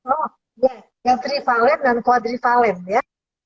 oh ya yang trivalen dan kuadrivalen ya